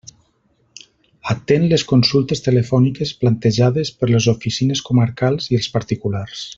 Atén les consultes telefòniques plantejades per les oficines comarcals i els particulars.